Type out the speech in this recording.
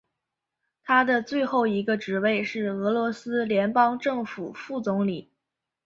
他的最后一个职位是俄罗斯联邦政府副总理。